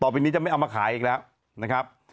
บอกต่อไปนี้จะไม่เอามาขายอีกแล้วนะครับ